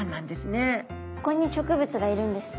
ここに植物がいるんですね。